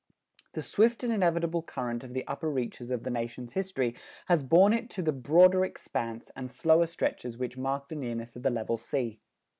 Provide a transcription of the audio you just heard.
The swift and inevitable current of the upper reaches of the nation's history has borne it to the broader expanse and slower stretches which mark the nearness of the level sea.